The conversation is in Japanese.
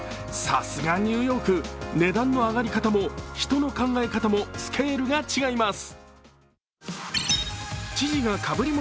さすがニューヨーク、値段の上がり方も人の考え方もスケールが違います。